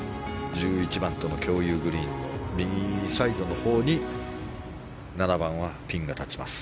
１１番との共有グリーンの右サイドのほうに７番はピンが立ちます。